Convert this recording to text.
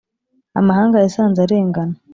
Amahanga yasanze arengana.